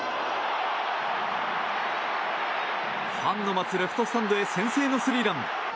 ファンの待つレフトスタンドへ先制のスリーラン。